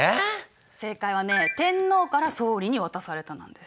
正解はね「天皇から総理に渡された」なんです。